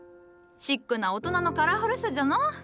シックな大人のカラフルさじゃの。